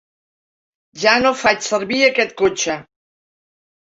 Ja no faig servir aquest cotxe.